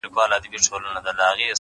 • چي خبر یې خپل هوښیار وزیر په ځان کړ,